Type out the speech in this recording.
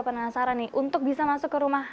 penasaran nih untuk bisa masuk ke rumah